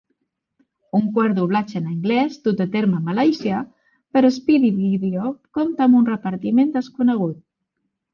Un quart doblatge en anglès dut a terme a Malàisia per Speedy Vídeo compta amb un repartiment desconegut.